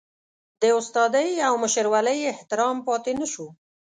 د استادۍ او مشرولۍ احترام پاتې نشو.